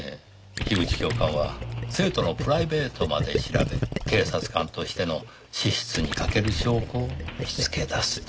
樋口教官は生徒のプライベートまで調べ警察官としての資質に欠ける証拠を見つけ出すと。